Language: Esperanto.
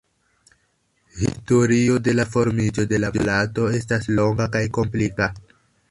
Historio de la formiĝo de la plato estas longa kaj komplika.